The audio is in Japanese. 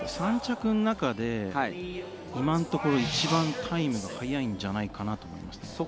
３着の中で今のところ一番タイムが速いんじゃないかなと思いますね。